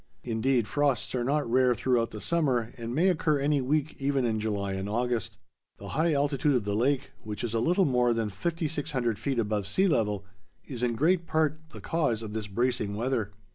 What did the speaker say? Indeed, frosts are not rare throughout the summer and may occur any week even in July and August. The high altitude of the lake, which is a little more than 5600 feet above sea level, is in great part the cause of this bracing weather.